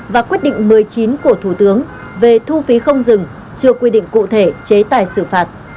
và quyết định một mươi chín của thủ tướng về thu phí không dừng chưa quy định cụ thể chế tài xử phạt